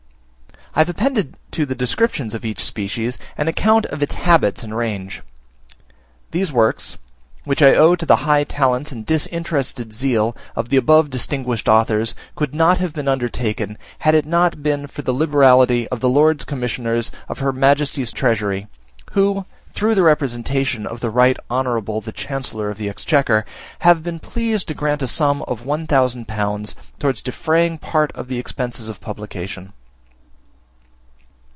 I have appended to the descriptions of each species an account of its habits and range. These works, which I owe to the high talents and disinterested zeal of the above distinguished authors, could not have been undertaken, had it not been for the liberality of the Lords Commissioners of Her Majesty's Treasury, who, through the representation of the Right Honourable the Chancellor of the Exchequer, have been pleased to grant a sum of one thousand pounds towards defraying part of the expenses of publication.